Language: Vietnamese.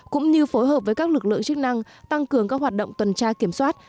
cũng như phối hợp với các lực lượng chức năng tăng cường các hoạt động tuần tra kiểm soát